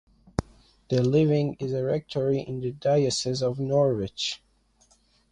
The living is a rectory in the diocese of Norwich.